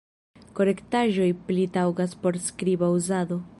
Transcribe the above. Korektaĵoj pli taŭgas por skriba uzado.